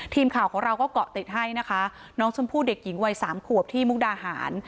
ทีมข่าวของเราก็เกาะติดให้นะคะน้องชมพู่เด็กหญิงวัยสามขวบที่มุกดาหาร